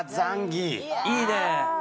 いいね